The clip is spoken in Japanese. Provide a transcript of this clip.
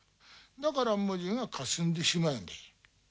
だから文字がかすんでしまう。な？